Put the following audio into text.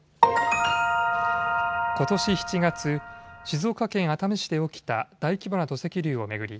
ことし７月、静岡県熱海市で起きた大規模な土石流を巡り